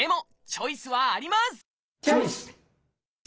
チョイス！